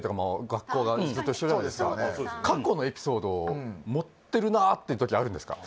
学校がずっと一緒じゃないですか過去のエピソード盛ってるなって時あるんですか？